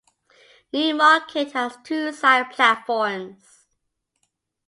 Newmarket has two side platforms.